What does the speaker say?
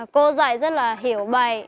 cô dạy rất là hiểu bài